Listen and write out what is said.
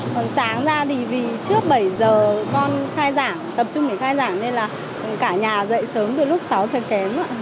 còn sáng ra thì vì trước bảy giờ con khai giảng tập trung để khai giảng nên là cả nhà dạy sớm từ lúc sáu thầy kém